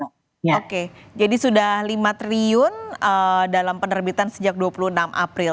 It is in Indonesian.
oke jadi sudah lima triliun dalam penerbitan sejak dua puluh enam april